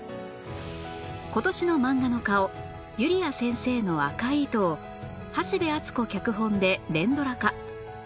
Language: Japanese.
今年のマンガの顔『ゆりあ先生の赤い糸』を橋部敦子脚本で連ドラ化